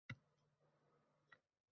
Aniqlik uchun: o'zbeklar